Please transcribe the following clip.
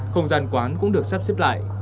không gian quán cũng được sắp xếp lại